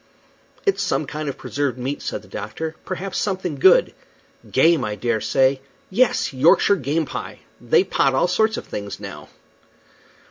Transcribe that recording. "It's some kind of preserved meat," said the doctor. "Perhaps something good game, I dare say yes, Yorkshire game pie. They pot all sorts of things now."